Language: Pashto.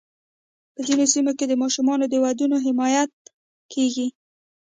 په ځینو سیمو کې د ماشومانو د ودونو حمایت کېږي.